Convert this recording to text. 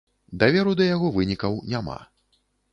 Даверу да яго вынікаў няма.